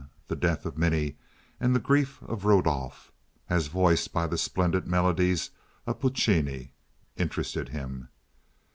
The death of Mimi and the grief of Rodolph, as voiced by the splendid melodies of Puccini, interested him.